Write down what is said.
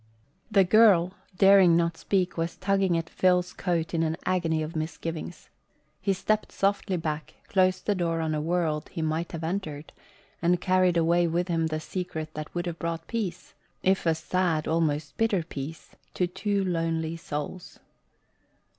The girl, daring not speak, was tugging at Phil's coat in an agony of misgivings. He stepped softly back, closed the door on a world he might have entered, and carried away with him the secret that would have brought peace if a sad, almost bitter peace to two lonely souls.